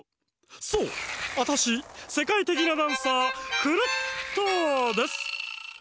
そうアタシせかいてきなダンサークルットです！